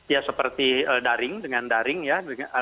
ya seperti daring dengan daring ya